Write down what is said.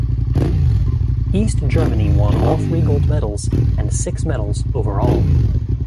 East Germany won all three gold medals, and six medals overall.